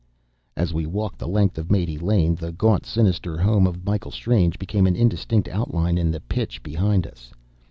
As we walked the length of Mate Lane, the gaunt, sinister home of Michael Strange became an indistinct outline in the pitch behind us.